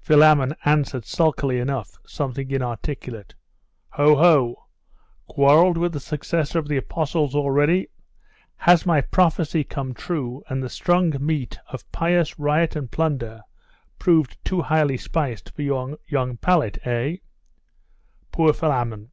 Philammon answered sulkily enough something inarticulate. 'Ho, ho! Quarrelled with the successor of the Apostles already? Has my prophecy come true, and the strong meat of pious riot and plunder proved too highly spiced for your young palate? Eh?' Poor Philammon!